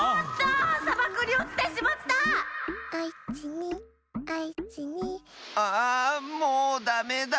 あんもうダメだ。